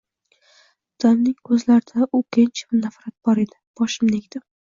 Dadamning koʻzlarida oʻkinch va nafrat bor edi. Boshimni egdim.